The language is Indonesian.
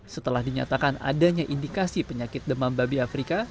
setelah dinyatakan adanya indikasi penyakit demam babi afrika